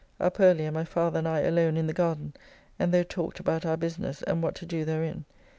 Up early, and my father and I alone into the garden, and there talked about our business, and what to do therein.